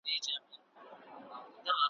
که یو ولس له خپلې